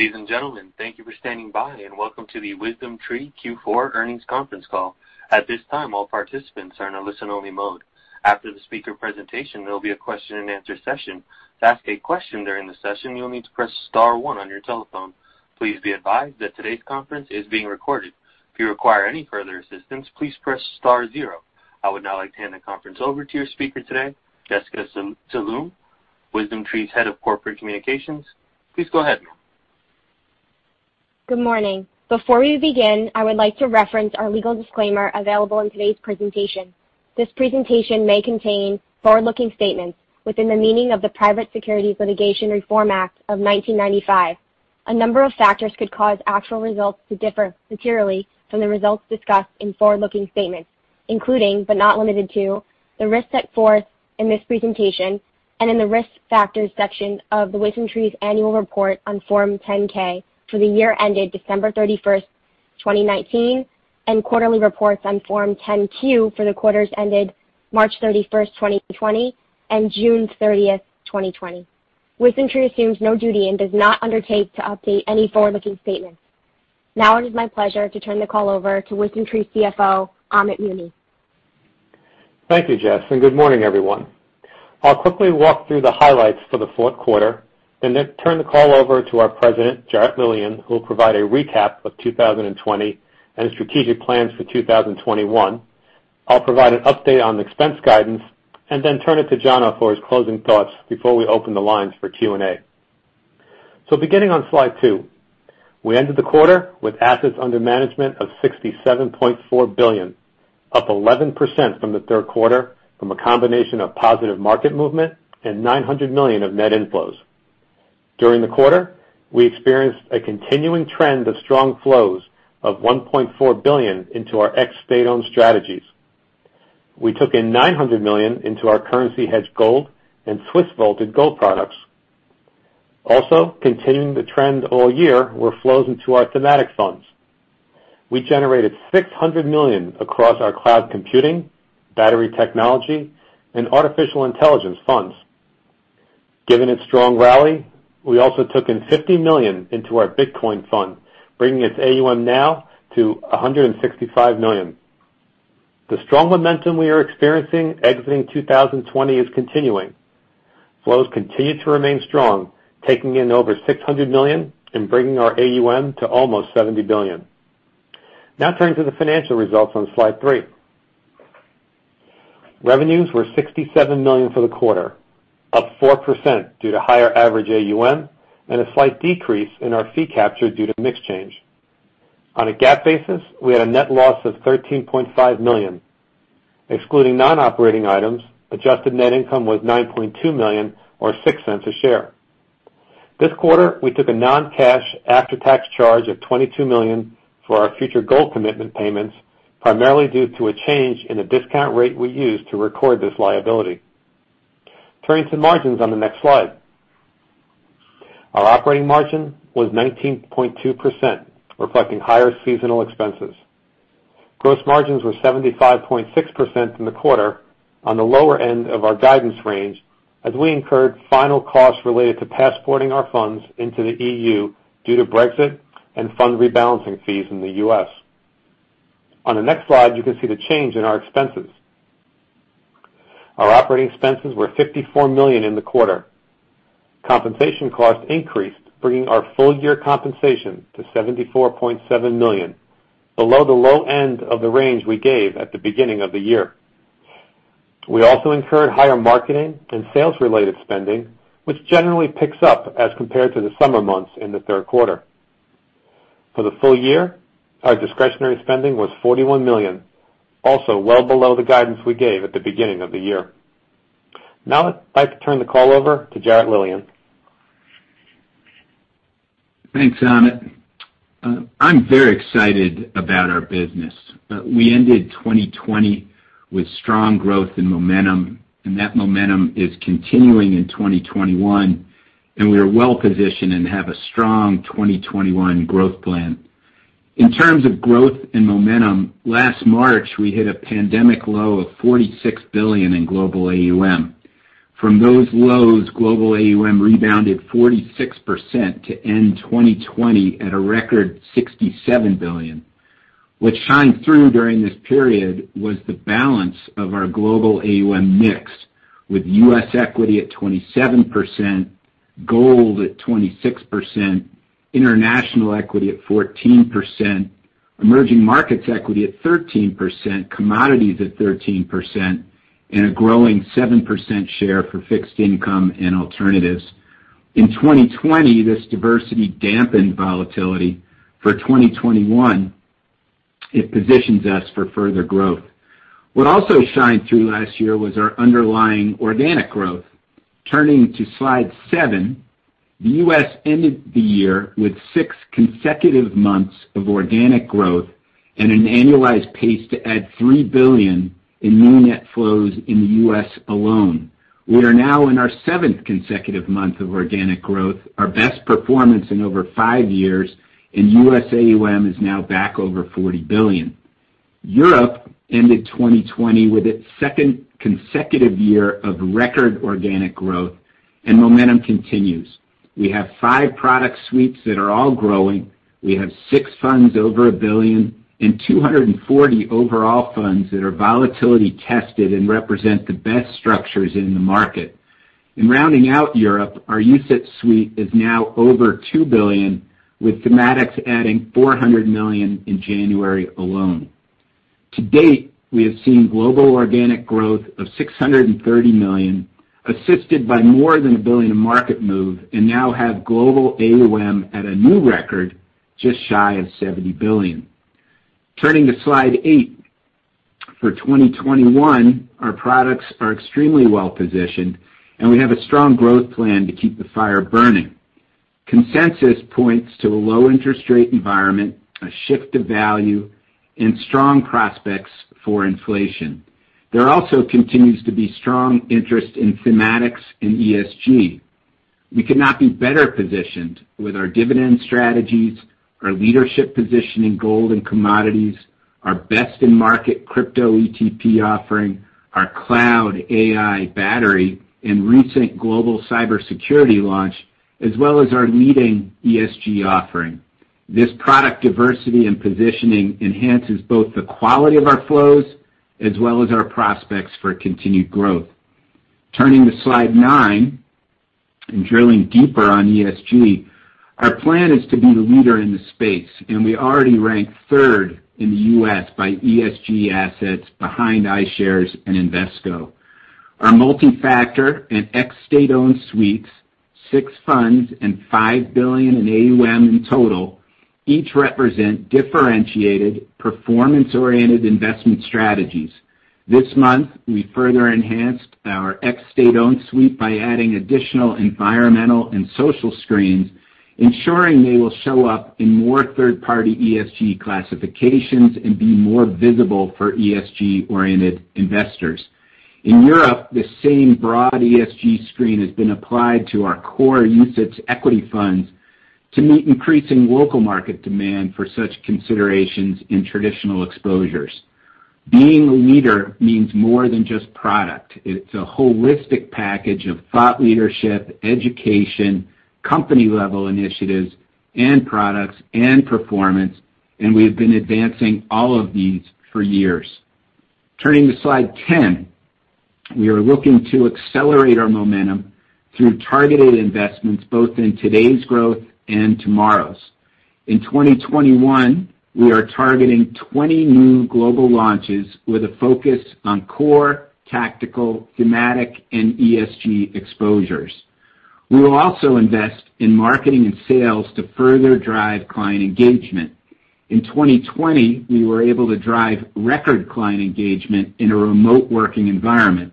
Ladies and gentlemen, thank you for standing by, and welcome to the WisdomTree Q4 earnings conference call. At this time, all participants are in a listen-only mode. After the speaker presentation, there'll be a question and answer session. To ask a question during the session, you'll need to press star one on your telephone. Please be advised that today's conference is being recorded. If you require any further assistance, please press star zero. I would now like to hand the conference over to your speaker today, Jessica Zaloom, WisdomTree's Head of Corporate Communications. Please go ahead, ma'am. Good morning. Before we begin, I would like to reference our legal disclaimer available in today's presentation. This presentation may contain forward-looking statements within the meaning of the Private Securities Litigation Reform Act of 1995. A number of factors could cause actual results to differ materially from the results discussed in forward-looking statements, including, but not limited to, the risks set forth in this presentation and in the Risk Factors section of WisdomTree's annual report on Form 10-K for the year ended December 31st, 2019, and quarterly reports on Form 10-Q for the quarters ended March 31st, 2020, and June 30th, 2020. WisdomTree assumes no duty and does not undertake to update any forward-looking statements. Now it is my pleasure to turn the call over to WisdomTree's CFO, Amit Muni. Thank you, Jess. Good morning, everyone. I'll quickly walk through the highlights for the fourth quarter and then turn the call over to our President, Jarrett Lilien, who will provide a recap of 2020 and strategic plans for 2021. I'll provide an update on expense guidance and then turn it to Jonathan for his closing thoughts before we open the lines for Q&A. Beginning on slide two, we ended the quarter with assets under management of $67.4 billion, up 11% from the third quarter from a combination of positive market movement and $900 million of net inflows. During the quarter, we experienced a continuing trend of strong flows of $1.4 billion into our ex-State-Owned strategies. We took in $900 million into our currency hedge gold and Swiss vaulted gold products. Also, continuing the trend all year were flows into our thematic funds. We generated $600 million across our cloud computing, battery technology, and artificial intelligence funds. Given its strong rally, we also took in $50 million into our Bitcoin fund, bringing its AUM now to $165 million. The strong momentum we are experiencing exiting 2020 is continuing. Flows continue to remain strong, taking in over $600 million and bringing our AUM to almost $70 billion. Turning to the financial results on slide three. Revenues were $67 million for the quarter, up 4% due to higher average AUM and a slight decrease in our fee capture due to mix change. On a GAAP basis, we had a net loss of $13.5 million. Excluding non-operating items, adjusted net income was $9.2 million or $0.06 a share. This quarter, we took a non-cash after-tax charge of $22 million for our future gold commitment payments, primarily due to a change in the discount rate we use to record this liability. Turning to margins on the next slide. Our operating margin was 19.2%, reflecting higher seasonal expenses. Gross margins were 75.6% in the quarter on the lower end of our guidance range as we incurred final costs related to passporting our funds into the EU due to Brexit and fund rebalancing fees in the U.S. On the next slide, you can see the change in our expenses. Our operating expenses were $54 million in the quarter. Compensation costs increased, bringing our full year compensation to $74.7 million, below the low end of the range we gave at the beginning of the year. We also incurred higher marketing and sales-related spending, which generally picks up as compared to the summer months in the third quarter. For the full year, our discretionary spending was $41 million, also well below the guidance we gave at the beginning of the year. I'd like to turn the call over to Jarrett Lilien. Thanks, Amit. I'm very excited about our business. We ended 2020 with strong growth and momentum, and that momentum is continuing in 2021, and we are well positioned and have a strong 2021 growth plan. In terms of growth and momentum, last March, we hit a pandemic low of $46 billion in global AUM. From those lows, global AUM rebounded 46% to end 2020 at a record $67 billion. What shined through during this period was the balance of our global AUM mix with U.S. equity at 27%, gold at 26%, international equity at 14%, emerging markets equity at 13%, commodities at 13%, and a growing 7% share for fixed income and alternatives. In 2020, this diversity dampened volatility. For 2021, it positions us for further growth. What also shined through last year was our underlying organic growth. Turning to slide seven, the U.S. ended the year with six consecutive months of organic growth and an annualized pace to add $3 billion in new net flows in the U.S. alone. We are now in our seventh consecutive month of organic growth, our best performance in over five years, and U.S. AUM is now back over $40 billion. Europe ended 2020 with its second consecutive year of record organic growth, and momentum continues. We have five product suites that are all growing. We have six funds, over a billion, and 240 overall funds that are volatility tested and represent the best structures in the market. In rounding out Europe, our UCITS suite is now over $2 billion, with thematics adding $400 million in January alone. To date, we have seen global organic growth of $630 million, assisted by more than $1 billion in market move, and now have global AUM at a new record, just shy of $70 billion. Turning to slide eight. For 2021, our products are extremely well-positioned, and we have a strong growth plan to keep the fire burning. Consensus points to a low interest rate environment, a shift of value, and strong prospects for inflation. There also continues to be strong interest in thematics in ESG. We could not be better positioned with our dividend strategies, our leadership position in gold and commodities, our best-in-market crypto ETP offering, our cloud AI battery, and recent global cybersecurity launch, as well as our leading ESG offering. This product diversity and positioning enhances both the quality of our flows as well as our prospects for continued growth. Turning to slide nine, drilling deeper on ESG, our plan is to be the leader in the space, we already rank third in the U.S. by ESG assets behind iShares and Invesco. Our multi-factor and ex-State-Owned suites, six funds, $5 billion in AUM in total, each represent differentiated, performance-oriented investment strategies. This month, we further enhanced our ex-State-Owned suite by adding additional environmental and social screens, ensuring they will show up in more third-party ESG classifications be more visible for ESG-oriented investors. In Europe, the same broad ESG screen has been applied to our core UCITS equity funds to meet increasing local market demand for such considerations in traditional exposures. Being a leader means more than just product. It's a holistic package of thought leadership, education, company-level initiatives, products and performance, we have been advancing all of these for years. Turning to slide 10. We are looking to accelerate our momentum through targeted investments both in today's growth and tomorrow's. In 2021, we are targeting 20 new global launches with a focus on core, tactical, thematic, and ESG exposures. We will also invest in marketing and sales to further drive client engagement. In 2020, we were able to drive record client engagement in a remote working environment.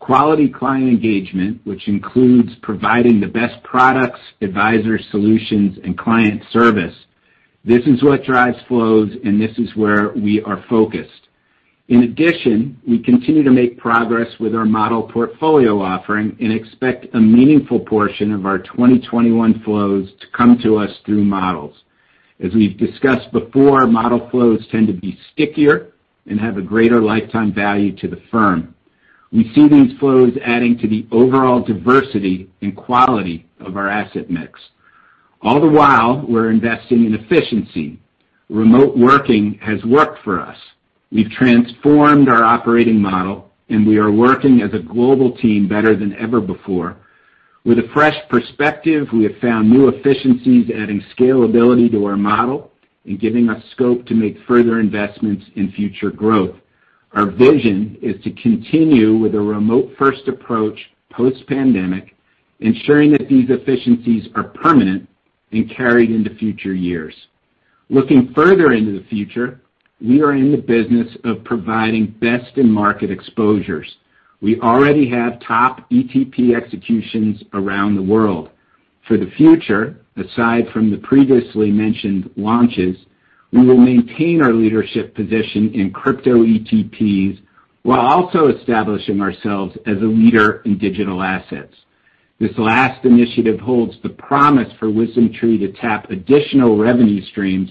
Quality client engagement, which includes providing the best products, advisor solutions, and client service. This is what drives flows. This is where we are focused. In addition, we continue to make progress with our model portfolio offering and expect a meaningful portion of our 2021 flows to come to us through models. As we've discussed before, model flows tend to be stickier and have a greater lifetime value to the firm. We see these flows adding to the overall diversity and quality of our asset mix. All the while, we're investing in efficiency. Remote working has worked for us. We've transformed our operating model. We are working as a global team better than ever before. With a fresh perspective, we have found new efficiencies, adding scalability to our model and giving us scope to make further investments in future growth. Our vision is to continue with a remote first approach post-pandemic, ensuring that these efficiencies are permanent and carried into future years. Looking further into the future, we are in the business of providing best-in-market exposures. We already have top ETP executions around the world. For the future, aside from the previously mentioned launches, we will maintain our leadership position in crypto ETPs while also establishing ourselves as a leader in digital assets. This last initiative holds the promise for WisdomTree to tap additional revenue streams,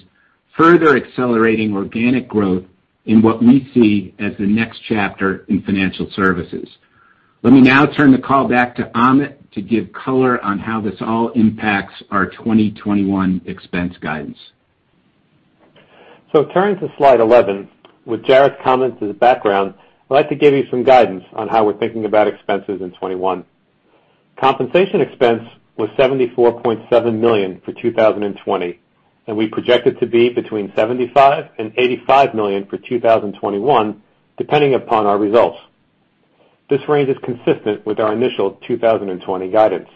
further accelerating organic growth in what we see as the next chapter in financial services. Let me now turn the call back to Amit to give color on how this all impacts our 2021 expense guidance. Turning to slide 11, with Jarrett's comments as background, I'd like to give you some guidance on how we're thinking about expenses in 2021. Compensation expense was $74.7 million for 2020, and we project it to be between $75 million and $85 million for 2021, depending upon our results. This range is consistent with our initial 2020 guidance.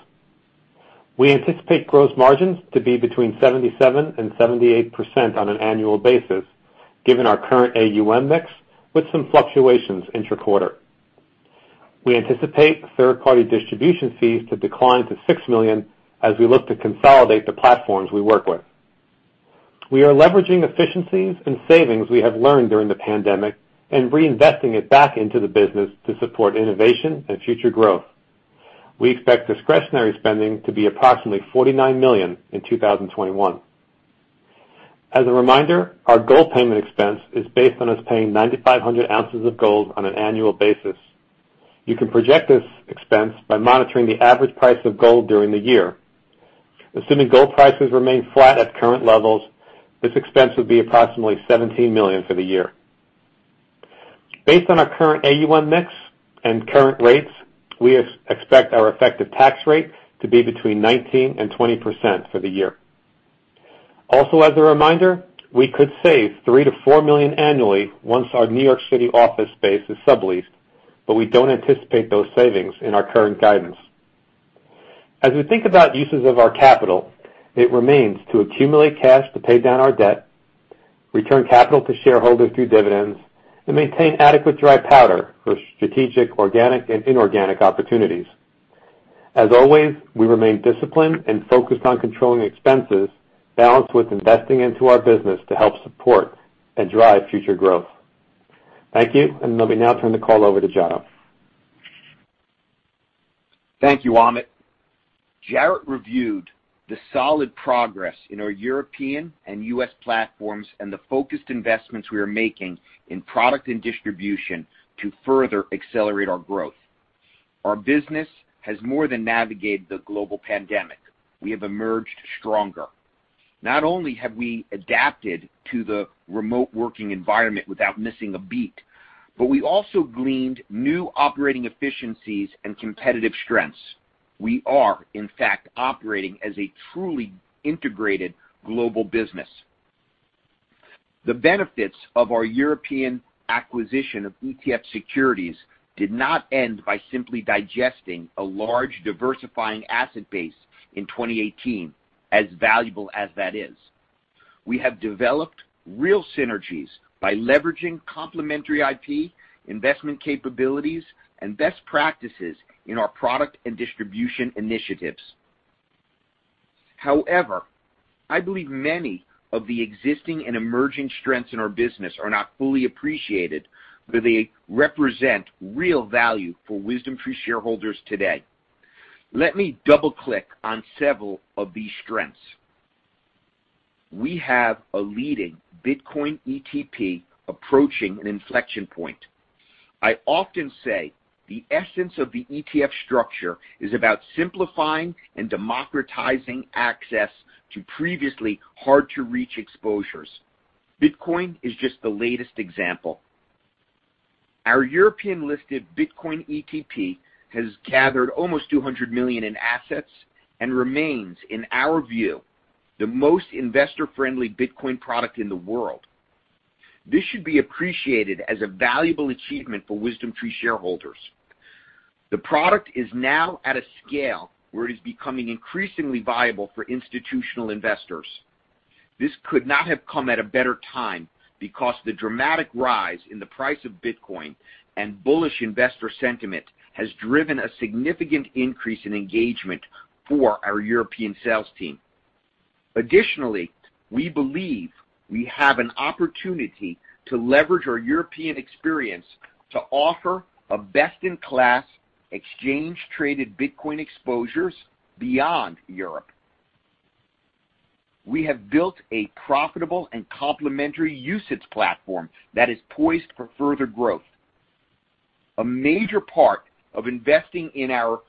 We anticipate gross margins to be between 77% and 78% on an annual basis, given our current AUM mix with some fluctuations intra-quarter. We anticipate third-party distribution fees to decline to $6 million as we look to consolidate the platforms we work with. We are leveraging efficiencies and savings we have learned during the pandemic and reinvesting it back into the business to support innovation and future growth. We expect discretionary spending to be approximately $49 million in 2021. As a reminder, our gold payment expense is based on us paying 9,500 ounces of gold on an annual basis. You can project this expense by monitoring the average price of gold during the year. Assuming gold prices remain flat at current levels, this expense would be approximately $17 million for the year. Based on our current AUM mix and current rates, we expect our effective tax rate to be between 19%-20% for the year. As a reminder, we could save $3 million-$4 million annually once our New York City office space is subleased, but we don't anticipate those savings in our current guidance. As we think about uses of our capital, it remains to accumulate cash to pay down our debt, return capital to shareholders through dividends, and maintain adequate dry powder for strategic, organic, and inorganic opportunities. As always, we remain disciplined and focused on controlling expenses, balanced with investing into our business to help support and drive future growth. Thank you, let me now turn the call over to Jonathan. Thank you, Amit. Jarrett reviewed the solid progress in our European and U.S. platforms and the focused investments we are making in product and distribution to further accelerate our growth. Our business has more than navigated the global pandemic. We have emerged stronger. Not only have we adapted to the remote working environment without missing a beat, but we also gleaned new operating efficiencies and competitive strengths. We are, in fact, operating as a truly integrated global business. The benefits of our European acquisition of ETF Securities did not end by simply digesting a large diversifying asset base in 2018, as valuable as that is. We have developed real synergies by leveraging complementary IP, investment capabilities, and best practices in our product and distribution initiatives. However, I believe many of the existing and emerging strengths in our business are not fully appreciated, but they represent real value for WisdomTree shareholders today. Let me double-click on several of these strengths. We have a leading Bitcoin ETP approaching an inflection point. I often say the essence of the ETF structure is about simplifying and democratizing access to previously hard-to-reach exposures. Bitcoin is just the latest example. Our European-listed Bitcoin ETP has gathered almost $200 million in assets and remains, in our view, the most investor-friendly Bitcoin product in the world. This should be appreciated as a valuable achievement for WisdomTree shareholders. The product is now at a scale where it is becoming increasingly viable for institutional investors. This could not have come at a better time because the dramatic rise in the price of Bitcoin and bullish investor sentiment has driven a significant increase in engagement for our European sales team. Additionally, we believe we have an opportunity to leverage our European experience to offer a best-in-class exchange traded Bitcoin exposures beyond Europe. We have built a profitable and complementary UCITS platform that is poised for further growth. A major part of investing in our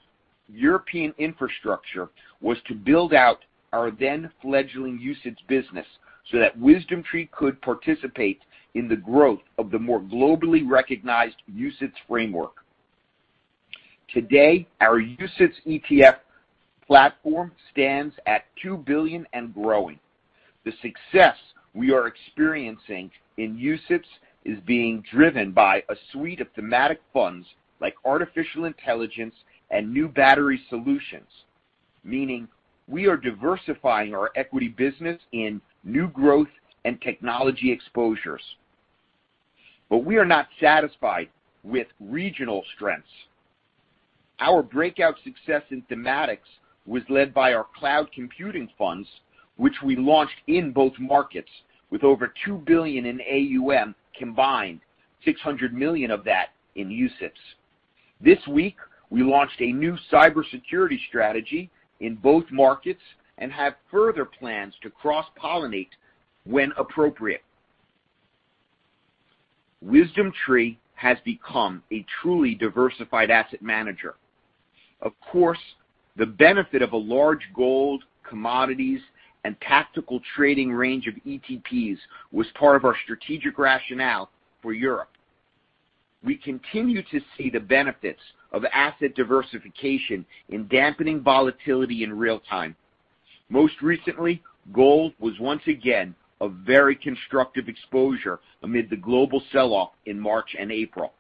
European infrastructure was to build out our then fledgling UCITS business so that WisdomTree could participate in the growth of the more globally recognized UCITS framework. Today, our UCITS ETF platform stands at $2 billion and growing. The success we are experiencing in UCITS is being driven by a suite of thematic funds like artificial intelligence and new Battery Solutions, meaning we are diversifying our equity business in new growth and technology exposures. We are not satisfied with regional strengths. Our breakout success in thematics was led by our cloud computing funds, which we launched in both markets with over $2 billion in AUM combined, $600 million of that in UCITS. This week, we launched a new cybersecurity strategy in both markets and have further plans to cross-pollinate when appropriate. WisdomTree has become a truly diversified asset manager. Of course, the benefit of a large gold, commodities, and tactical trading range of ETPs was part of our strategic rationale for Europe. We continue to see the benefits of asset diversification in dampening volatility in real time. Most recently, gold was once again a very constructive exposure amid the global sell-off in March and April.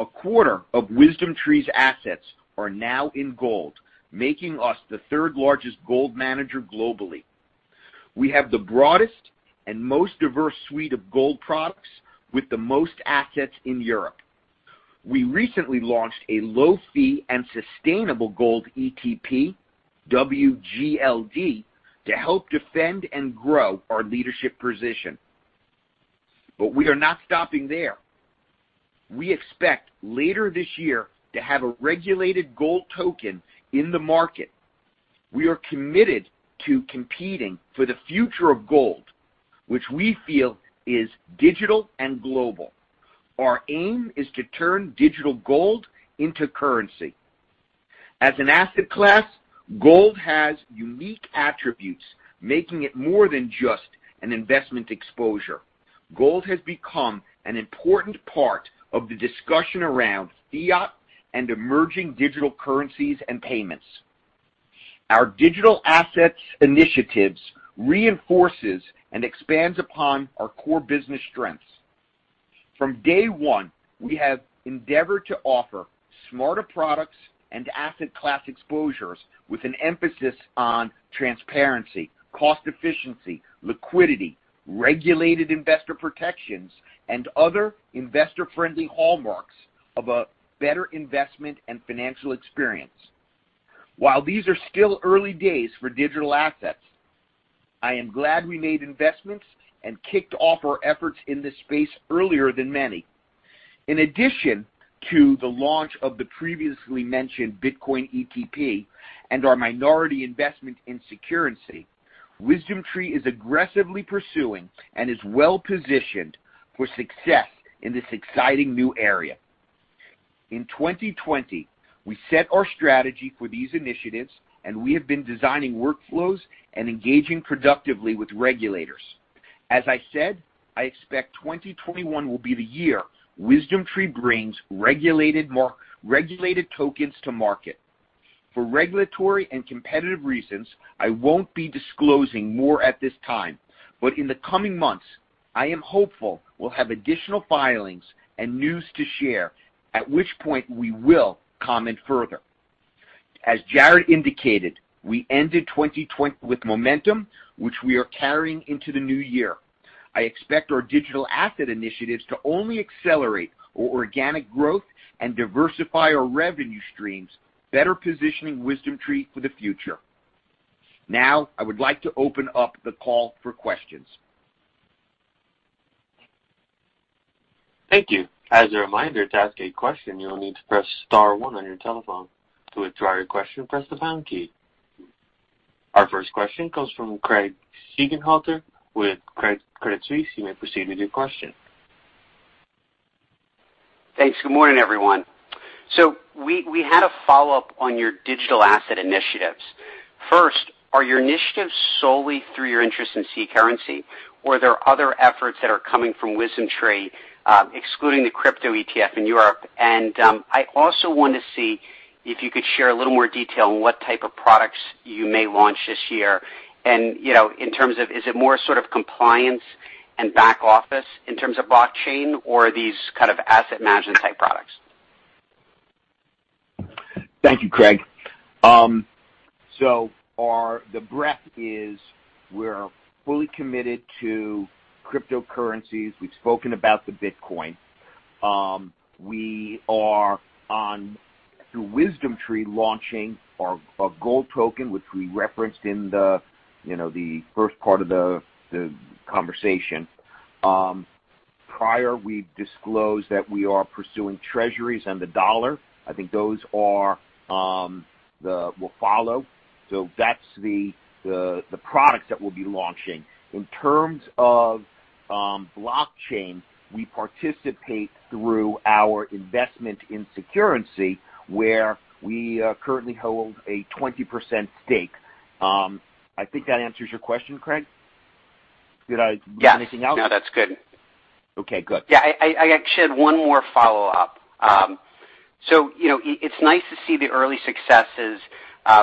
A quarter of WisdomTree's assets are now in gold, making us the third largest gold manager globally. We have the broadest and most diverse suite of gold products with the most assets in Europe. We recently launched a low-fee and sustainable gold ETP, WGLD, to help defend and grow our leadership position. We are not stopping there. We expect later this year to have a regulated gold token in the market. We are committed to competing for the future of gold, which we feel is digital and global. Our aim is to turn digital gold into currency. As an asset class, gold has unique attributes, making it more than just an investment exposure. Gold has become an important part of the discussion around fiat and emerging digital currencies and payments. Our digital assets initiatives reinforces and expands upon our core business strengths. From day one, we have endeavored to offer smarter products and asset class exposures with an emphasis on transparency, cost efficiency, liquidity, regulated investor protections, and other investor-friendly hallmarks of a better investment and financial experience. While these are still early days for digital assets, I am glad we made investments and kicked off our efforts in this space earlier than many. In addition to the launch of the previously mentioned Bitcoin ETP and our minority investment in Securrency, WisdomTree is aggressively pursuing and is well-positioned for success in this exciting new area. In 2020, we set our strategy for these initiatives, and we have been designing workflows and engaging productively with regulators. As I said, I expect 2021 will be the year WisdomTree brings regulated tokens to market. For regulatory and competitive reasons, I won't be disclosing more at this time, but in the coming months, I am hopeful we'll have additional filings and news to share, at which point we will comment further. As Jarrett indicated, we ended 2020 with momentum, which we are carrying into the new year. I expect our digital asset initiatives to only accelerate our organic growth and diversify our revenue streams, better positioning WisdomTree for the future. Now, I would like to open up the call for questions. Thank you. As a reminder, to ask a question, you will need to press star 1 on your telephone. To withdraw your question, press the pound key. Our first question comes from Craig Siegenthaler with Credit Suisse. You may proceed with your question. Thanks. Good morning, everyone. We had a follow-up on your digital asset initiatives. First, are your initiatives solely through your interest in Securrency, or are there other efforts that are coming from WisdomTree, excluding the crypto ETF in Europe? I also want to see if you could share a little more detail on what type of products you may launch this year and, in terms of, is it more sort of compliance and back office in terms of blockchain, or are these kind of asset management type products? Thank you, Craig. The breadth is we're fully committed to cryptocurrencies. We've spoken about the Bitcoin. We are on, through WisdomTree, launching our gold token, which we referenced in the first part of the conversation. Prior, we've disclosed that we are pursuing treasuries and the dollar. I think those will follow. That's the products that we'll be launching. In terms of blockchain, we participate through our investment in Securrency, where we currently hold a 20% stake. I think that answers your question, Craig. Did I miss anything else? Yeah. No, that's good. Okay, good. Yeah. I actually had one more follow-up. It's nice to see the early successes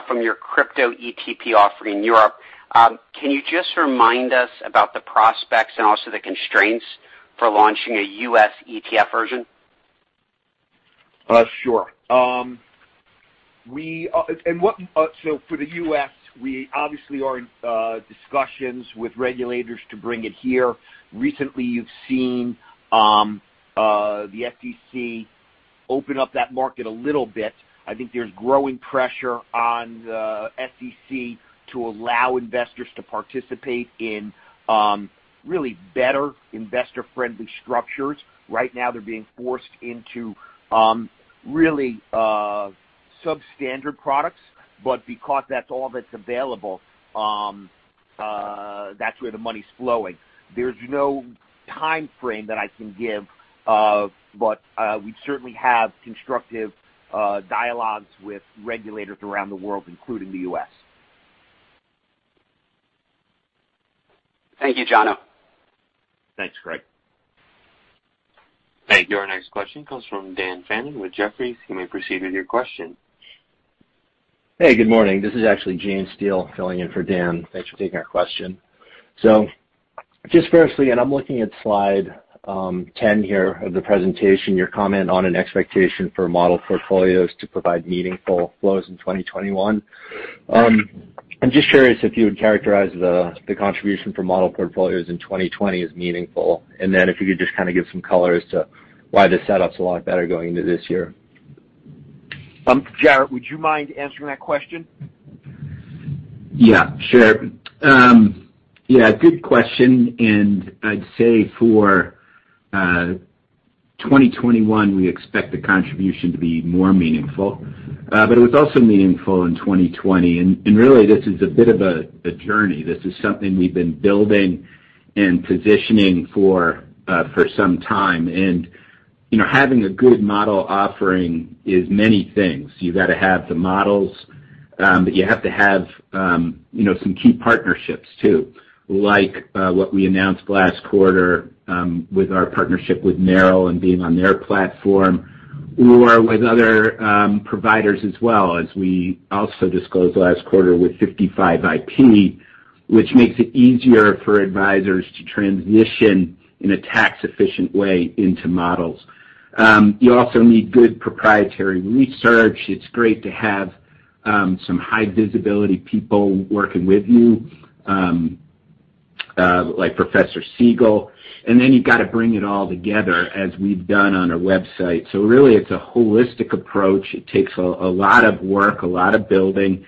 from your crypto ETP offering in Europe. Can you just remind us about the prospects and also the constraints for launching a U.S. ETF version? Sure. For the U.S., we obviously are in discussions with regulators to bring it here. Recently, you've seen the SEC open up that market a little bit. I think there's growing pressure on the SEC to allow investors to participate in really better investor-friendly structures. Right now, they're being forced into really substandard products. Because that's all that's available, that's where the money's flowing. There's no timeframe that I can give, but we certainly have constructive dialogues with regulators around the world, including the U.S. Thank you, Jonathan. Thanks, Craig. Thank you. Our next question comes from Dan Fannon with Jefferies. You may proceed with your question. Hey, good morning. This is actually James Steele filling in for Dan. Thanks for taking our question. Just firstly, and I'm looking at slide 10 here of the presentation, your comment on an expectation for model portfolios to provide meaningful flows in 2021. I'm just curious if you would characterize the contribution for model portfolios in 2020 as meaningful, and then if you could just kind of give some color as to why the setup's a lot better going into this year. Jarrett, would you mind answering that question? Yeah, sure. Good question. I'd say for 2021, we expect the contribution to be more meaningful. It was also meaningful in 2020. Really this is a bit of a journey. This is something we've been building and positioning for some time. Having a good model offering is many things. You've got to have the models, but you have to have some key partnerships too, like what we announced last quarter with our partnership with Narrow and being on their platform or with other providers as well as we also disclosed last quarter with 55ip, which makes it easier for advisors to transition in a tax-efficient way into models. You also need good proprietary research. It's great to have some high-visibility people working with you, like Professor Siegel. Then you've got to bring it all together as we've done on our website. Really it's a holistic approach. It takes a lot of work, a lot of building,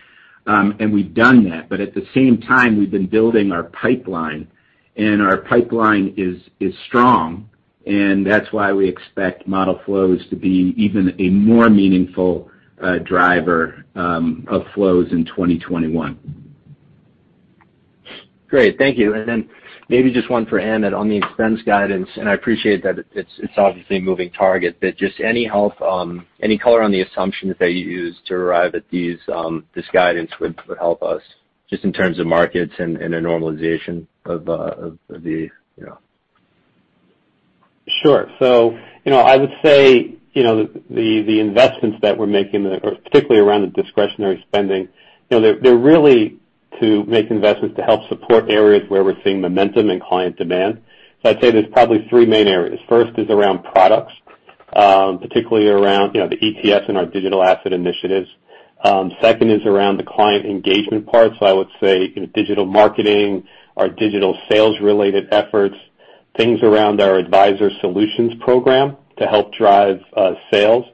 and we've done that. At the same time, we've been building our pipeline, and our pipeline is strong, and that's why we expect model flows to be even a more meaningful driver of flows in 2021. Great. Thank you. Then maybe just one for Amit on the expense guidance, and I appreciate that it's obviously a moving target, but just any help, any color on the assumptions that you used to arrive at this guidance would help us just in terms of markets and a normalization of the. Sure. I would say, the investments that we're making, particularly around the discretionary spending, they're really to make investments to help support areas where we're seeing momentum and client demand. I'd say there's probably three main areas. First is around products, particularly around the ETFs and our digital asset initiatives. Second is around the client engagement part. I would say digital marketing, our digital sales-related efforts, things around our Advisor Solutions Program to help drive sales.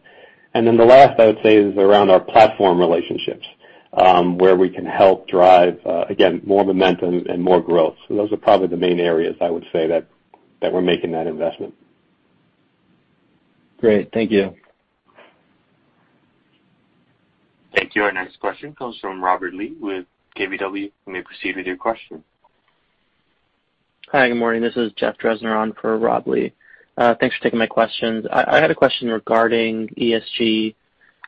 The last I would say is around our platform relationships, where we can help drive, again, more momentum and more growth. Those are probably the main areas I would say that we're making that investment. Great. Thank you. Thank you. Our next question comes from Robert Lee with KBW. You may proceed with your question. Hi, good morning. This is Jeff Drezner on for Rob Lee. Thanks for taking my questions. I had a question regarding ESG.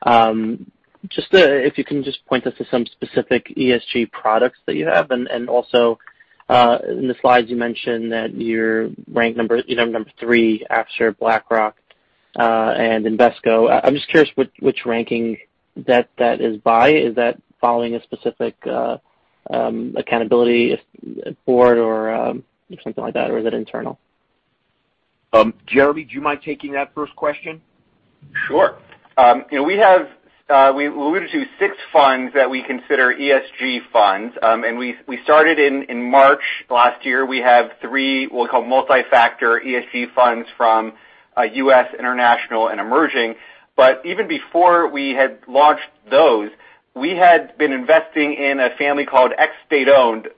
If you can just point us to some specific ESG products that you have. In the slides you mentioned that you're ranked number three after BlackRock and Invesco. I'm just curious which ranking that is by. Is that following a specific accountability board or something like that, or is it internal? Jeremy, do you mind taking that first question? Sure. We alluded to six funds that we consider ESG funds. We started in March last year. We have three, we'll call multi-factor ESG funds from U.S. International and Emerging. Even before we had launched those, we had been investing in a family called ex-State-Owned,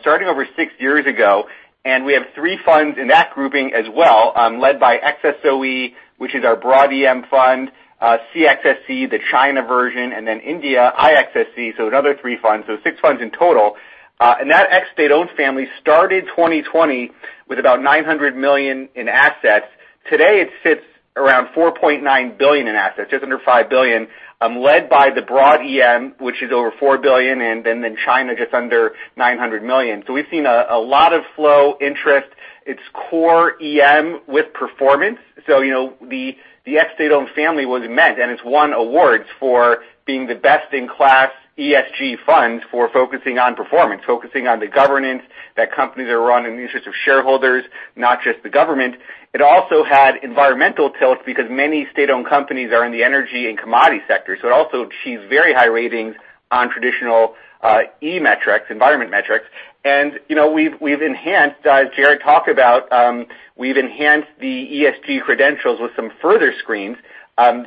starting over six years ago, we have three funds in that grouping as well, led by XSOE, which is our broad EM fund, CXSE, the China version, India, IXSE, another three funds. Six funds in total. That ex-State-Owned family started 2020 with about $900 million in assets. Today, it sits around $4.9 billion in assets, just under $5 billion, led by the broad EM, which is over $4 billion, China just under $900 million. We've seen a lot of flow interest. It's core EM with performance. The ex-State-Owned family was meant, and it's won awards for being the best-in-class ESG fund for focusing on performance, focusing on the governance that companies are run in the interest of shareholders, not just the government. It also had environmental tilts because many state-owned companies are in the energy and commodity sector. It also achieves very high ratings on traditional E metrics, environment metrics. We've enhanced, as Jarrett talked about, we've enhanced the ESG credentials with some further screens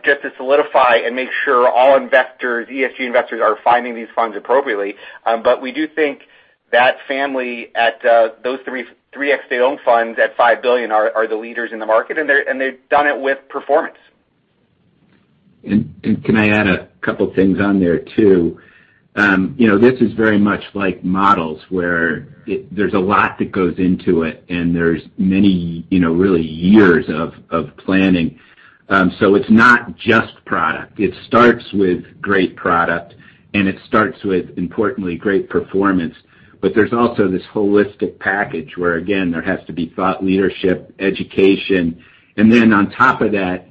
just to solidify and make sure all investors, ESG investors, are finding these funds appropriately. We do think that family at those three ex-State-Owned funds at $5 billion are the leaders in the market, and they've done it with performance. Can I add a couple of things on there, too? This is very much like models where there's a lot that goes into it, and there's many really years of planning. It's not just product. It starts with great product, and it starts with, importantly, great performance. There's also this holistic package where again, there has to be thought leadership, education. On top of that,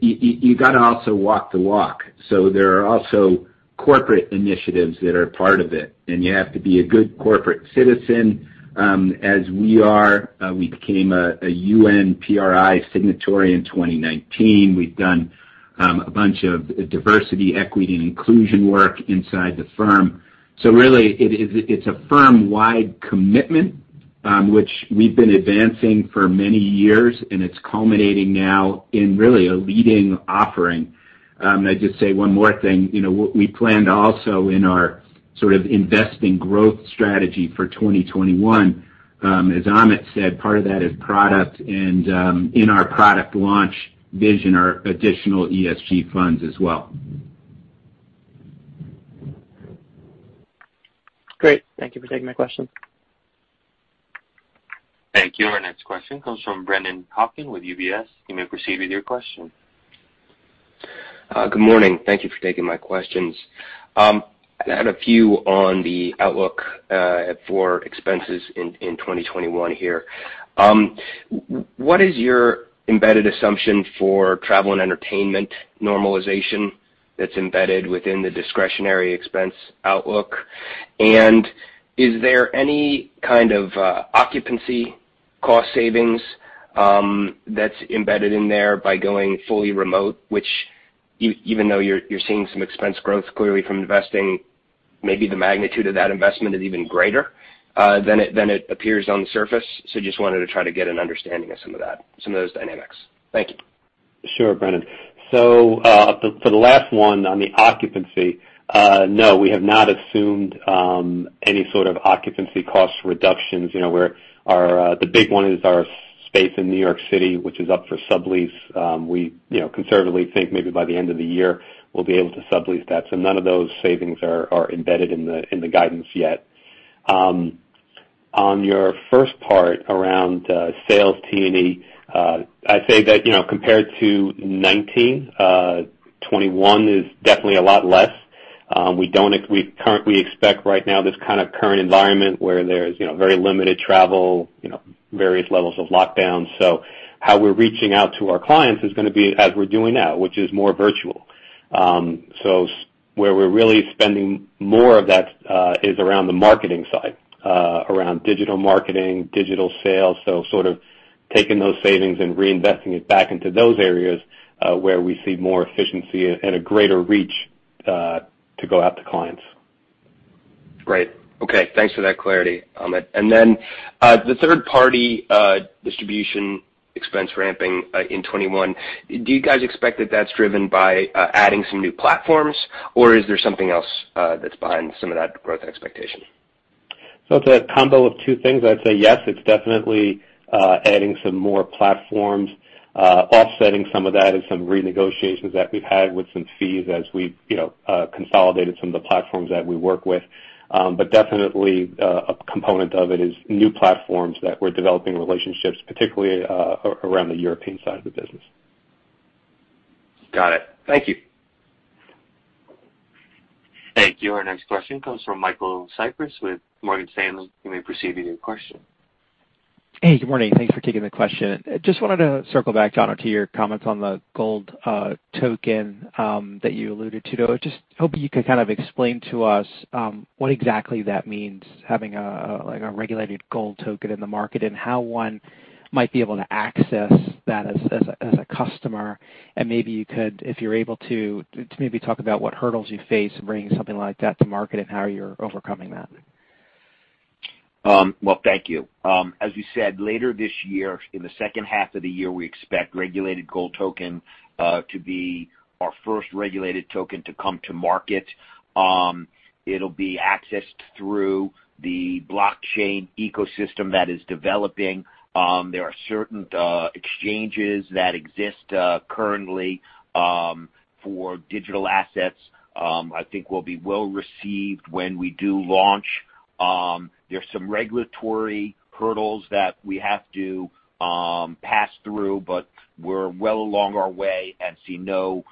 you got to also walk the walk. There are also corporate initiatives that are part of it, and you have to be a good corporate citizen as we are. We became a UN PRI signatory in 2019. We've done a bunch of diversity, equity, and inclusion work inside the firm. Really it's a firm-wide commitment We've been advancing for many years, and it's culminating now in really a leading offering. I'd just say one more thing. What we planned also in our sort of investing growth strategy for 2021, as Amit said, part of that is product and in our product launch vision are additional ESG funds as well. Great. Thank you for taking my question. Thank you. Our next question comes from Brennan Hawken with UBS. You may proceed with your question. Good morning. Thank you for taking my questions. I had a few on the outlook for expenses in 2021 here. What is your embedded assumption for travel and entertainment normalization that's embedded within the discretionary expense outlook? Is there any kind of occupancy cost savings that's embedded in there by going fully remote, which even though you're seeing some expense growth clearly from investing, maybe the magnitude of that investment is even greater than it appears on the surface? Just wanted to try to get an understanding of some of that, some of those dynamics. Thank you. Sure, Brennan. For the last one on the occupancy, no, we have not assumed any sort of occupancy cost reductions. The big one is our space in New York City, which is up for sublease. We conservatively think maybe by the end of the year we'll be able to sublease that. None of those savings are embedded in the guidance yet. On your first part around sales T&E, I'd say that compared to 2019, 2021 is definitely a lot less. We expect right now this kind of current environment where there's very limited travel, various levels of lockdown. How we're reaching out to our clients is going to be as we're doing now, which is more virtual. Where we're really spending more of that is around the marketing side, around digital marketing, digital sales. Sort of taking those savings and reinvesting it back into those areas, where we see more efficiency and a greater reach to go out to clients. Great. Okay. Thanks for that clarity, Amit. The third party distribution expense ramping in 2021, do you guys expect that that's driven by adding some new platforms, or is there something else that's behind some of that growth expectation? It's a combo of two things. I'd say yes, it's definitely adding some more platforms. Offsetting some of that is some renegotiations that we've had with some fees as we've consolidated some of the platforms that we work with. Definitely, a component of it is new platforms that we're developing relationships, particularly around the European side of the business. Got it. Thank you. Thank you. Our next question comes from Michael Cyprys with Morgan Stanley. You may proceed with your question. Hey, good morning. Thanks for taking the question. Just wanted to circle back, Jonathan, to your comments on the gold token that you alluded to. Just hoping you could kind of explain to us what exactly that means, having a regulated gold token in the market, and how one might be able to access that as a customer. Maybe you could talk about what hurdles you face bringing something like that to market and how you're overcoming that. Well, thank you. As we said, later this year, in the second half of the year, we expect regulated gold token to be our first regulated token to come to market. It'll be accessed through the blockchain ecosystem that is developing. There are certain exchanges that exist currently for digital assets I think will be well received when we do launch. There's some regulatory hurdles that we have to pass through, but we're well along our way and see no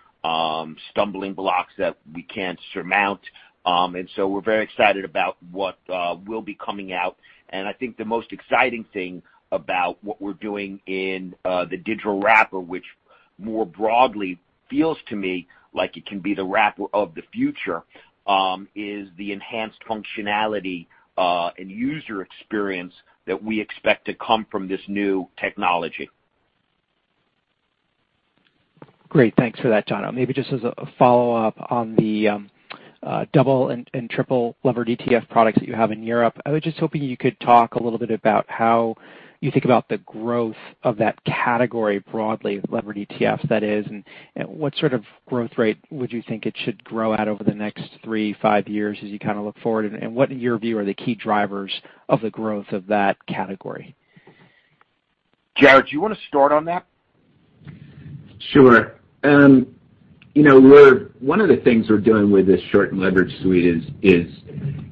stumbling blocks that we can't surmount. We're very excited about what will be coming out. I think the most exciting thing about what we're doing in the digital wrapper, which more broadly feels to me like it can be the wrapper of the future, is the enhanced functionality and user experience that we expect to come from this new technology. Great. Thanks for that, Jonathan. Maybe just as a follow-up on the double and triple levered ETF products that you have in Europe, I was just hoping you could talk a little bit about how you think about the growth of that category broadly, levered ETFs, that is. What sort of growth rate would you think it should grow at over the next three, five years as you kind of look forward? What, in your view, are the key drivers of the growth of that category? Jarrett, do you want to start on that? Sure. One of the things we're doing with this short and leverage suite is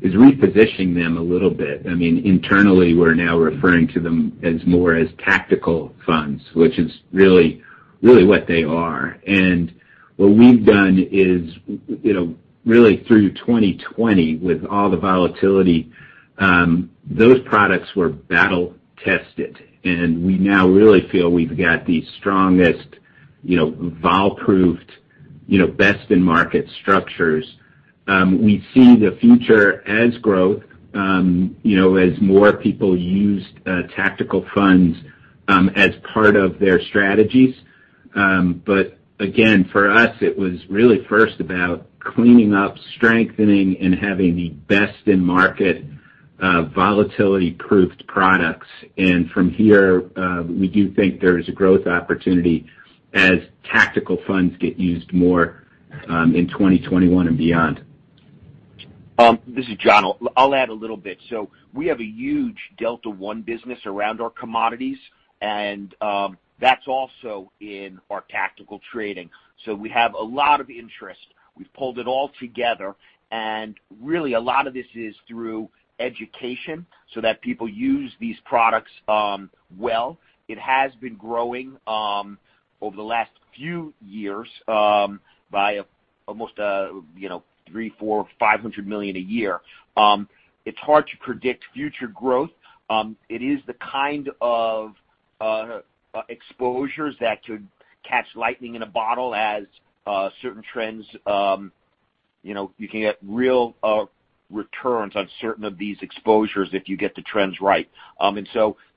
repositioning them a little bit. Internally, we're now referring to them as more as tactical funds, which is really what they are. What we've done is really through 2020, with all the volatility, those products were battle tested, and we now really feel we've got the strongest vol-proofed, best in market structures. We see the future as growth as more people use tactical funds as part of their strategies. Again, for us, it was really first about cleaning up, strengthening, and having the best in market volatility-proofed products. From here, we do think there is a growth opportunity as tactical funds get used more in 2021 and beyond. This is Jonathan. I'll add a little bit. We have a huge Delta One business around our commodities, and that's also in our tactical trading. We have a lot of interest. We've pulled it all together, and really a lot of this is through education so that people use these products well. It has been growing over the last few years by almost three, four, $500 million a year. It's hard to predict future growth. It is the kind of exposures that could catch lightning in a bottle as certain trends. You can get real returns on certain of these exposures if you get the trends right.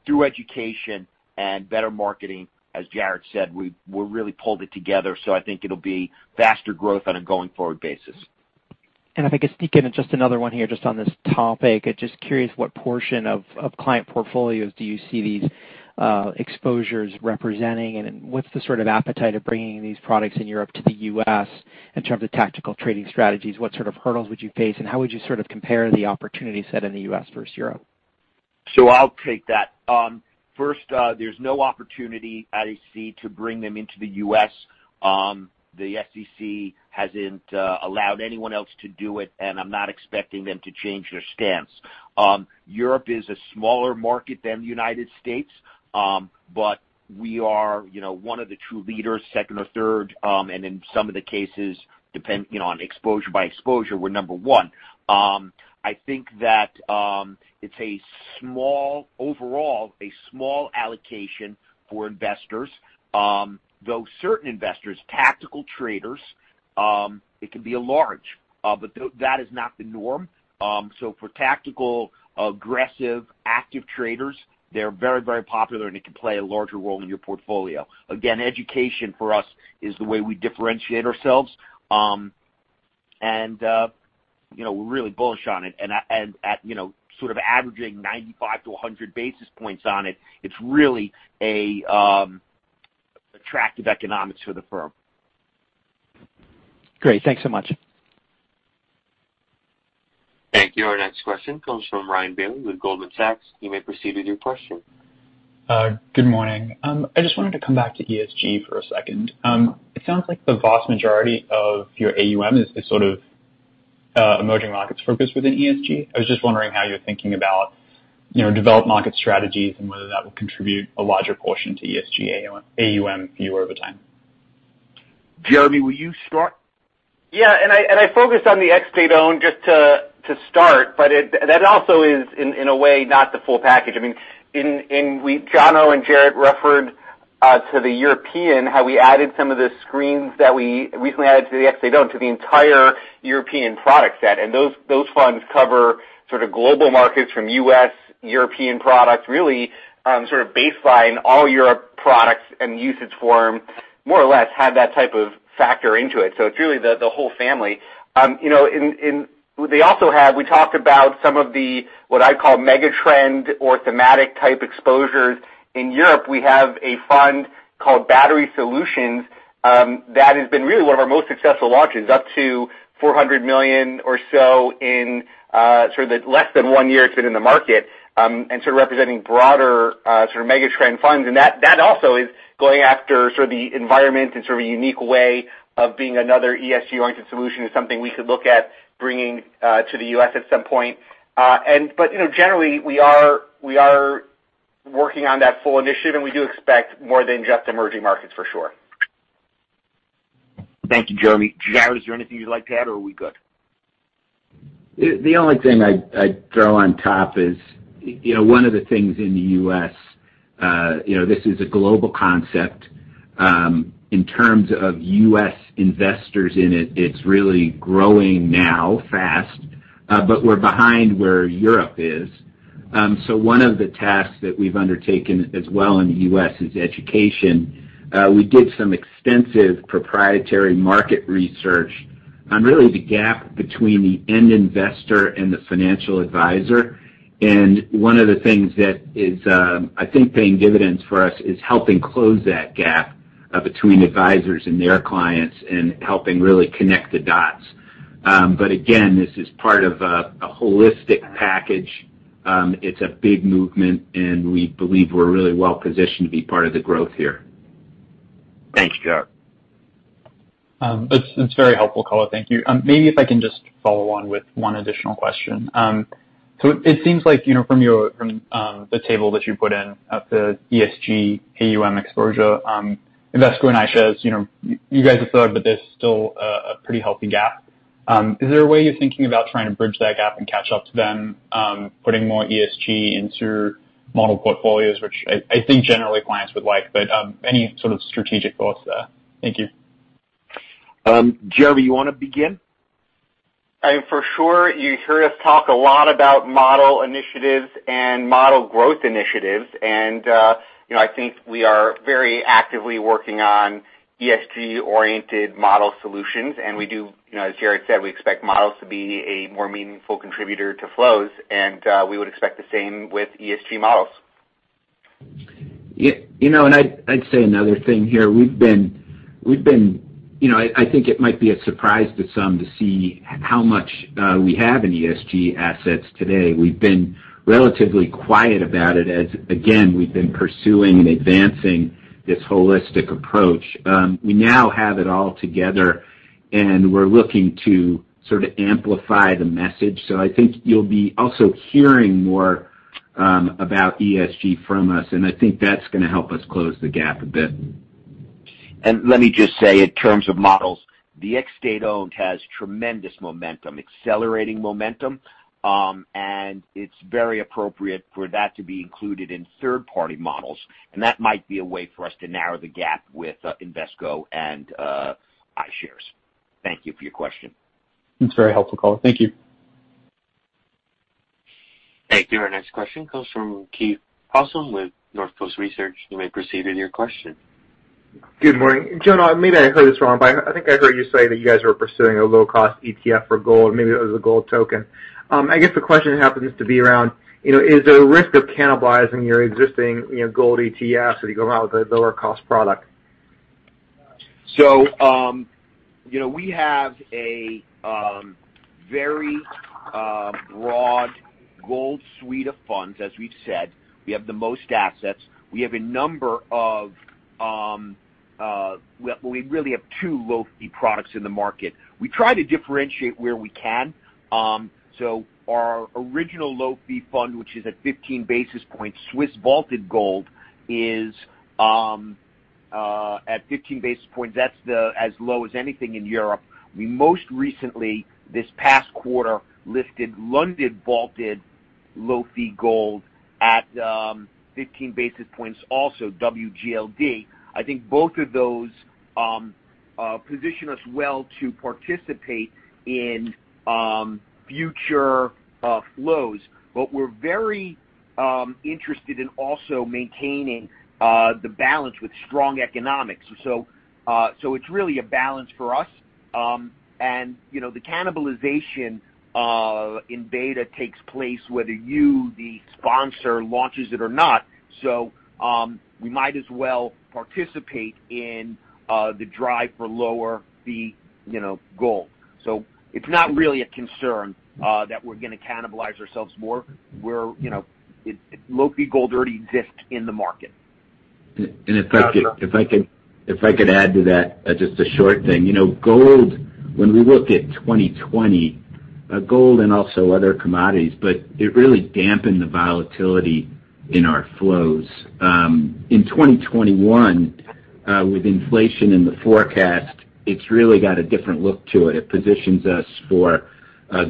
Through education and better marketing, as Jarrett said, we really pulled it together. I think it'll be faster growth on a going forward basis. If I could sneak in just another one here just on this topic. Just curious what portion of client portfolios do you see these exposures representing, and what's the sort of appetite of bringing these products in Europe to the U.S. in terms of tactical trading strategies? What sort of hurdles would you face, and how would you sort of compare the opportunity set in the U.S. versus Europe? I'll take that. First, there's no opportunity at ETP to bring them into the U.S. The SEC hasn't allowed anyone else to do it, and I'm not expecting them to change their stance. Europe is a smaller market than the United States. We are one of the true leaders, second or third, and in some of the cases, depending on exposure by exposure, we're number one. I think that it's, overall, a small allocation for investors, though certain investors, tactical traders, it can be large. That is not the norm. For tactical, aggressive, active traders, they're very, very popular, and it can play a larger role in your portfolio. Again, education for us is the way we differentiate ourselves. We're really bullish on it, and sort of averaging 95 to 100 basis points on it's really attractive economics for the firm. Great. Thanks so much. Thank you. Our next question comes from Ryan Bailey with Goldman Sachs. You may proceed with your question. Good morning. I just wanted to come back to ESG for a second. It sounds like the vast majority of your AUM is sort of emerging markets focused within ESG. I was just wondering how you're thinking about developed market strategies and whether that will contribute a larger portion to ESG AUM for you over time. Jeremy, will you start? Yeah. I focused on the ex-State-Owned just to start, but that also is, in a way, not the full package. I mean, Jonathan and Jarrett referred to the European, how we added some of the screens that we recently added to the ex-State-Owned to the entire European product set. Those funds cover sort of global markets from U.S., European products, really sort of baseline all Europe products and the UCITS form, more or less, had that type of factor into it. It's really the whole family. We talked about some of the, what I call megatrend or thematic-type exposures. In Europe, we have a fund called Battery Solutions, that has been really one of our most successful launches, up to $400 million or so in sort of the less than one year it's been in the market, and sort of representing broader mega trend funds. That also is going after sort of the environment in sort of a unique way of being another ESG-oriented solution is something we could look at bringing to the U.S. at some point. Generally, we are working on that full initiative, and we do expect more than just emerging markets for sure. Thank you, Jeremy. Jarrett, is there anything you'd like to add, or are we good? The only thing I'd throw on top is one of the things in the U.S. This is a global concept. In terms of U.S. investors in it's really growing now fast. We're behind where Europe is. One of the tasks that we've undertaken as well in the U.S. is education. We did some extensive proprietary market research on really the gap between the end investor and the financial advisor. One of the things that is, I think, paying dividends for us is helping close that gap between advisors and their clients and helping really connect the dots. Again, this is part of a holistic package. It's a big movement, and we believe we're really well-positioned to be part of the growth here. Thanks, Jarrett. That's very helpful, caller. Thank you. Maybe if I can just follow on with one additional question. It seems like from the table that you put in of the ESG AUM exposure, Invesco and iShares, you guys are third, but there's still a pretty healthy gap. Is there a way you're thinking about trying to bridge that gap and catch up to them, putting more ESG into model portfolios, which I think generally clients would like, but any sort of strategic thoughts there? Thank you. Jeremy, you want to begin? For sure. You heard us talk a lot about model initiatives and model growth initiatives, and I think we are very actively working on ESG-oriented model solutions. As Jarrett said, we expect models to be a more meaningful contributor to flows, and we would expect the same with ESG models. I'd say another thing here. I think it might be a surprise to some to see how much we have in ESG assets today. We've been relatively quiet about it as, again, we've been pursuing and advancing this holistic approach. We now have it all together, and we're looking to sort of amplify the message. I think you'll be also hearing more about ESG from us, and I think that's going to help us close the gap a bit. Let me just say, in terms of models, the ex-State-Owned has tremendous momentum, accelerating momentum, and it's very appropriate for that to be included in third-party models. That might be a way for us to narrow the gap with Invesco and iShares. Thank you for your question. That's very helpful, Colin. Thank you. Thank you. Our next question comes from Keith Housum with Northcoast Research. You may proceed with your question. Good morning. Jonathan, maybe I heard this wrong, I think I heard you say that you guys are pursuing a low-cost ETF for gold. Maybe it was a gold token. I guess the question happens to be around, is there a risk of cannibalizing your existing gold ETF if you go out with a lower cost product? We have a very broad gold suite of funds, as we've said. We have the most assets. We really have two low-fee products in the market. We try to differentiate where we can. Our original low-fee fund, which is at 15 basis points, Swiss Vaulted Gold, is at 15 basis points. That's as low as anything in Europe. We most recently, this past quarter, listed London Vaulted low-fee gold at 15 basis points also, WGLD. I think both of those position us well to participate in future flows. We're very interested in also maintaining the balance with strong economics. It's really a balance for us. The cannibalization in beta takes place whether you, the sponsor, launches it or not. We might as well participate in the drive for lower-fee gold. It's not really a concern that we're going to cannibalize ourselves more. Low-fee gold already exists in the market. If I could add to that, just a short thing. Gold, when we look at 2020, gold and also other commodities, but it really dampened the volatility in our flows. In 2021, with inflation in the forecast, it's really got a different look to it. It positions us for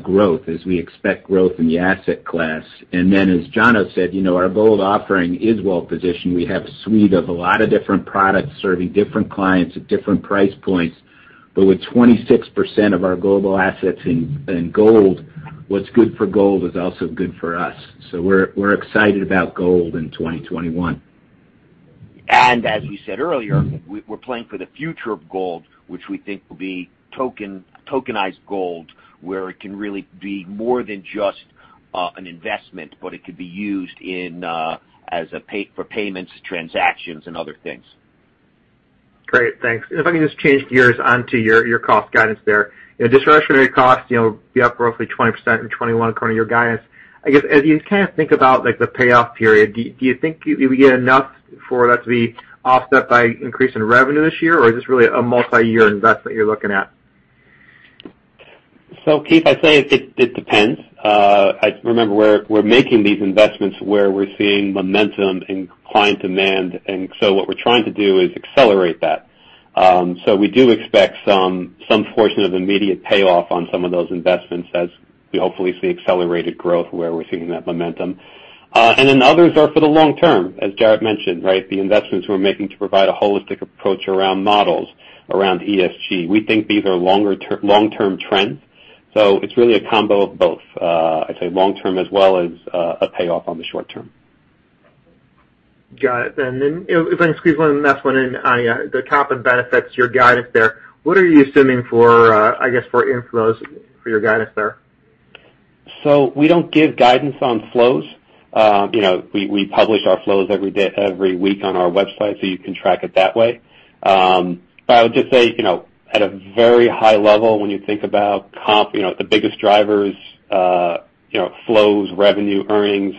growth as we expect growth in the asset class. Then, as Jonathan said, our gold offering is well-positioned. We have a suite of a lot of different products serving different clients at different price points. With 26% of our global assets in gold, what's good for gold is also good for us. We're excited about gold in 2021. As we said earlier, we're planning for the future of gold, which we think will be tokenized gold, where it can really be more than just an investment, but it could be used for payments, transactions, and other things. Great. Thanks. If I can just change gears onto your cost guidance there. Discretionary costs, be up roughly 20% in 2021 according to your guidance. I guess, as you kind of think about the payoff period, do you think you would get enough for that to be offset by increase in revenue this year, or is this really a multi-year investment you're looking at? Keith, I'd say it depends. Remember, we're making these investments where we're seeing momentum in client demand. What we're trying to do is accelerate that. We do expect some portion of immediate payoff on some of those investments as we hopefully see accelerated growth where we're seeing that momentum. Others are for the long term, as Jarrett mentioned, right? The investments we're making to provide a holistic approach around models, around ESG. We think these are long-term trends. It's really a combo of both. I'd say long term as well as a payoff on the short term. Got it. If I can squeeze one last one in on the comp and benefits, your guidance there, what are you assuming for inflows for your guidance there? We don't give guidance on flows. We publish our flows every week on our website, you can track it that way. I would just say, at a very high level, when you think about comp, the biggest drivers, flows, revenue, earnings.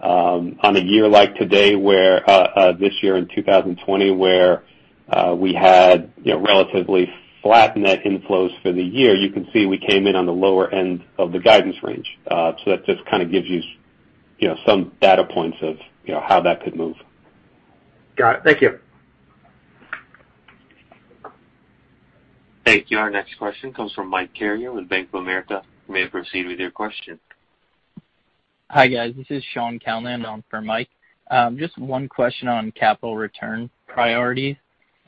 On a year like today, this year in 2020, where we had relatively flat net inflows for the year, you can see we came in on the lower end of the guidance range. That just kind of gives you some data points of how that could move. Got it. Thank you. Thank you. Our next question comes from Mike Carrier with Bank of America. You may proceed with your question. Hi, guys. This is Sean Callan on for Mike. Just one question on capital return priority.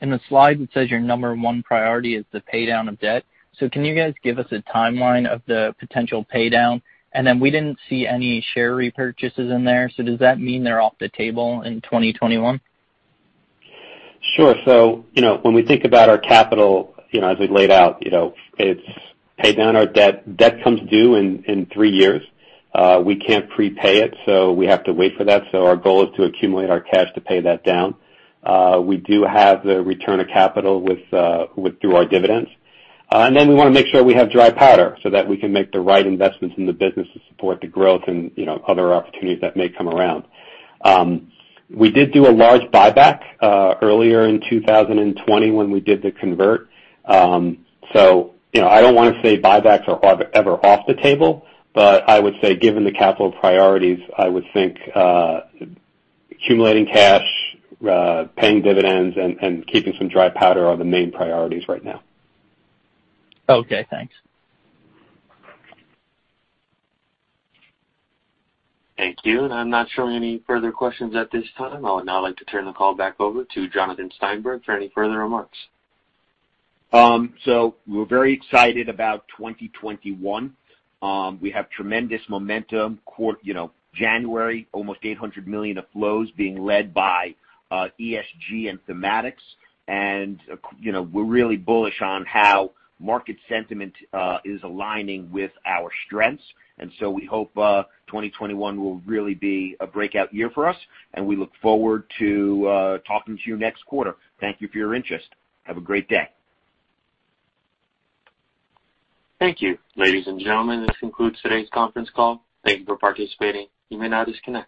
In the slide, it says your number one priority is the pay down of debt. Can you guys give us a timeline of the potential pay down? Then we didn't see any share repurchases in there, so does that mean they're off the table in 2021? Sure. When we think about our capital, as we've laid out, it's pay down our debt. Debt comes due in three years. We can't prepay it, so we have to wait for that. Our goal is to accumulate our cash to pay that down. We do have the return of capital through our dividends. Then we want to make sure we have dry powder so that we can make the right investments in the business to support the growth and other opportunities that may come around. We did do a large buyback earlier in 2020 when we did the convert. I don't want to say buybacks are ever off the table, but I would say given the capital priorities, I would think accumulating cash, paying dividends, and keeping some dry powder are the main priorities right now. Okay, thanks. Thank you. I'm not showing any further questions at this time. I would now like to turn the call back over to Jonathan Steinberg for any further remarks. We're very excited about 2021. We have tremendous momentum. January, almost $800 million of flows being led by ESG and thematics. We're really bullish on how market sentiment is aligning with our strengths. We hope 2021 will really be a breakout year for us, and we look forward to talking to you next quarter. Thank you for your interest. Have a great day. Thank you. Ladies and gentlemen, this concludes today's conference call. Thank you for participating. You may now disconnect.